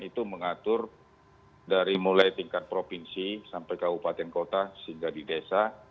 itu mengatur dari mulai tingkat provinsi sampai kabupaten kota sehingga di desa